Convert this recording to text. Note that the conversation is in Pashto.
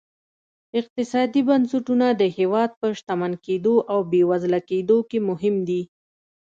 اقتصادي بنسټونه د هېواد په شتمن کېدو او بېوزله کېدو کې مهم دي.